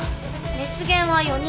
熱源は４人。